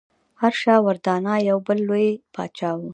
هرشا وردهنا یو بل لوی پاچا و.